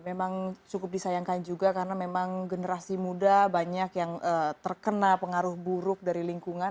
memang cukup disayangkan juga karena memang generasi muda banyak yang terkena pengaruh buruk dari lingkungan